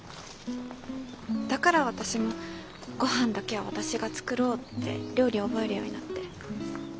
だから私もごはんだけは私が作ろうって料理覚えるようになって。